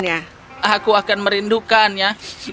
tuan fog aku akan merindukanmu